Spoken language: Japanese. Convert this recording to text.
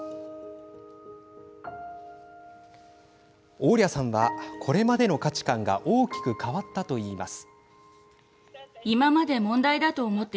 オーリャさんはこれまでの価値観が大きく変わったといいます。